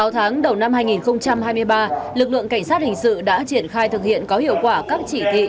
sáu tháng đầu năm hai nghìn hai mươi ba lực lượng cảnh sát hình sự đã triển khai thực hiện có hiệu quả các chỉ thị